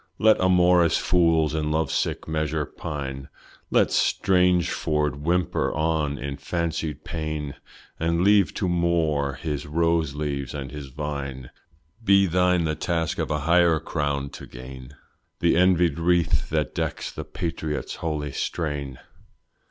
Let amorous fools in love sick measure pine; Let Strangford whimper on, in fancied pain, And leave to Moore his rose leaves and his vine; Be thine the task a higher crown to gain, The envied wreath that decks the patriot's holy strain.